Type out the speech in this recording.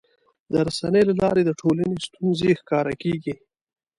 د رسنیو له لارې د ټولنې ستونزې ښکاره کېږي.